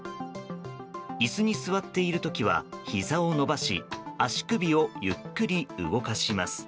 椅子に座っているときはひざを伸ばし足首をゆっくり動かします。